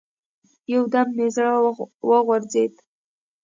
يو دم مې زړه وغورځېد.